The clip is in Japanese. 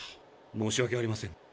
申し訳ありません。